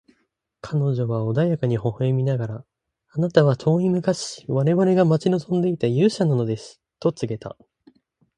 彼女は穏やかに微笑みながら、「あなたは遠い昔、我々が待ち望んでいた勇者なのです」と告げた。